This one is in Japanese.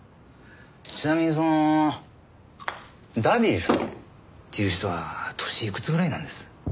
ちなみにそのダディさんっていう人は年いくつぐらいなんです？